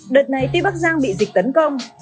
đợt này tuy bắc giang bị dịch tấn công